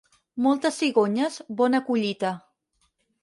Moltes cigonyes, bona collita.